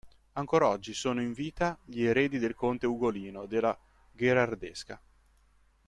Ancor oggi sono in vita gli eredi del conte Ugolino della gherardesca.